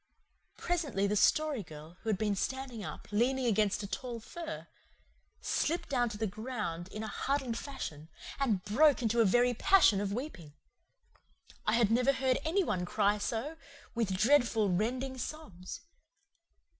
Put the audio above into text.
Presently the Story Girl, who had been standing up, leaning against a tall fir, slipped down to the ground in a huddled fashion and broke into a very passion of weeping. I had never heard any one cry so, with dreadful, rending sobs.